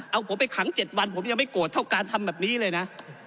เอาผมไปขัง๗วันผมยังไม่โกรธเท่าการทำแบบนี้เลยนะ